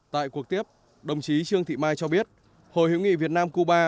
tại cuộc tiếp đồng chí trương thị mai cho biết hội hữu nghị việt nam cuba